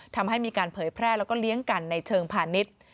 ทำให้มีการเผยแพร่แล้วก็เลี้ยงกันในเชิงพาณิชย์